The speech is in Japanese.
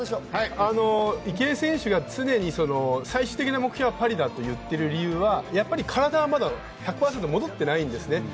池江選手が常に最終的な目標はパリだと言っている理由は体はまだ１００％戻っていないんですね。